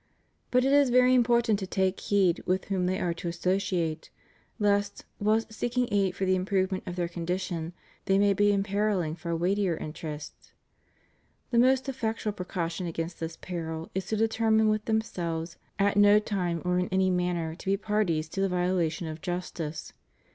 But it is very important to take heed with whom they are to associate, lest whilst seeking aid for the improvement of their condition they may be im perilling far weightier interests. The most effectual pre caution against this peril is to determine with themselves at no time or in any matter to be parties to the violation of justice.